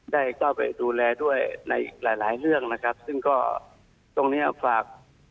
ได้เข้าไปดูแลด้วยในหลายหลายเรื่องนะครับซึ่งก็ตรงเนี้ยฝาก